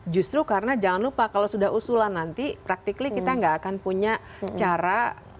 justru karena jangan lupa kalau sudah usulan nanti praktik kita nggak akan punya cara